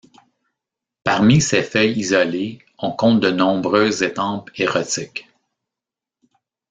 Parmi ces feuilles isolées, on compte de nombreuses estampes érotiques.